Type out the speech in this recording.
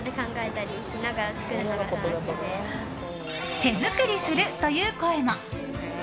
手作りするという声も。